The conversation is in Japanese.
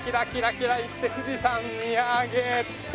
キラいって富士山見上げて。